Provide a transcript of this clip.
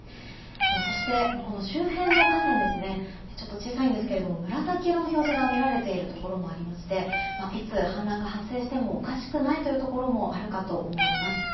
そして周辺の河川ちょっと小さいんですけども紫色の表示が見られていましていつ氾濫が発生してもおかしくないところもあります。